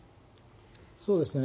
そうですね。